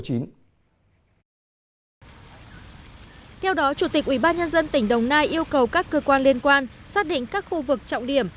theo đó chủ tịch ubnd tỉnh đồng nai yêu cầu các cơ quan liên quan xác định các khu vực trọng điểm